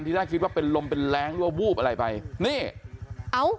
แรกคิดว่าเป็นลมเป็นแรงหรือว่าวูบอะไรไปนี่เอ้า